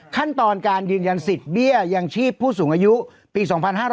ขั้นตอนการยืนยันสิทธิ์เบี้ยยังชีพผู้สูงอายุปี๒๕๕๙